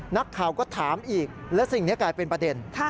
นักข่าวก็ถามอีกและสิ่งนี้กลายเป็นประเด็น